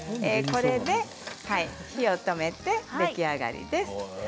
火を止めて出来上がりです。